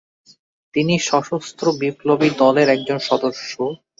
তিনি সশস্ত্র বিপ্লবী দলের একজন সদস্য।